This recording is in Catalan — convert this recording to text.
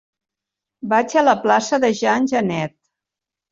Vaig a la plaça de Jean Genet.